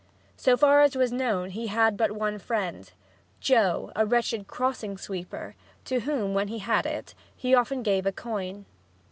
So far as was known, he had but one friend Joe, a wretched crossing sweeper, to whom, when he had it, he often gave a coin.